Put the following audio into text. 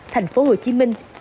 thành phố hồ chí minh